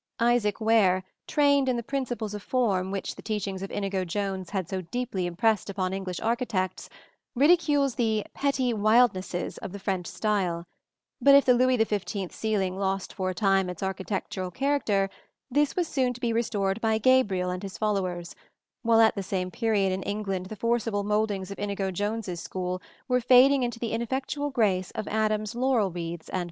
Isaac Ware, trained in the principles of form which the teachings of Inigo Jones had so deeply impressed upon English architects, ridicules the "petty wildnesses" of the French style; but if the Louis XV ceiling lost for a time its architectural character, this was soon to be restored by Gabriel and his followers, while at the same period in England the forcible mouldings of Inigo Jones's school were fading into the ineffectual grace of Adam's laurel wreaths and velaria.